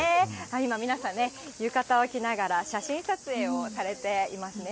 今、皆さんね、浴衣を着ながら写真撮影をされていますね。